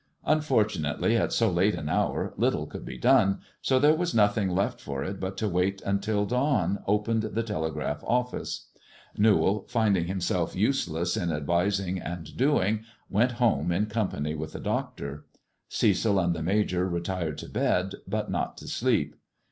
UnfoitniuAifc at so late an hour, little could be done, so there was left for it but to wait till dawn opened the telegraph Newall, finding himself useless in advising and doin^ home in company with the doctor. Cecil and the retired to bed, but not to sleep.